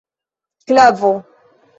klavo